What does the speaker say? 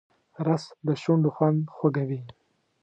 رس د شونډو خوند خوږوي